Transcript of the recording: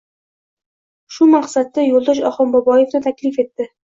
Shu maqsadda Yo‘ldosh Oxunboboevni taklif etdi.